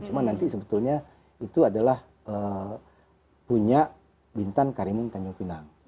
cuma nanti sebetulnya itu adalah punya bintan karimun tanjung pinang